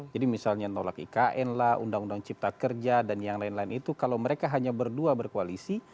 jadi misalnya nolak ikn lah undang undang cipta kerja dan yang lain lain itu kalau mereka hanya berdua berkoalisi